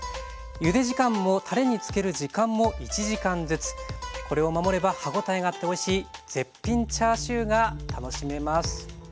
ゆで時間もたれにつける時間も１時間ずつこれを守れば歯応えがあっておいしい絶品チャーシューが楽しめます。